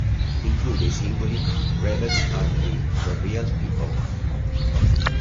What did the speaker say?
Include i singoli "Rebels Are We" e "Real People".